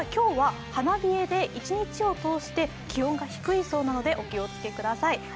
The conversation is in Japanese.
花冷えで、１日を通して気温が低いそうなのでお気をつけください。